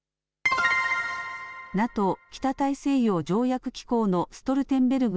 ＮＡＴＯ・北大西洋条約機構のストルテンベルグ